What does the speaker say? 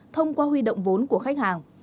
thông qua huy động vốn của khách hàng